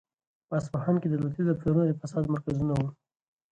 په اصفهان کې دولتي دفترونه د فساد مرکزونه وو.